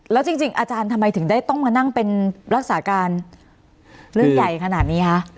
แล้วจริงอาจารย์ทำไมถึงได้ต้องมานั่งเป็นรักษาการเรื่องใหญ่ขนาดนี้คะ